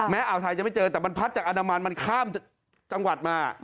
อ่าวไทยจะไม่เจอแต่มันพัดจากอนามันมันข้ามจังหวัดมา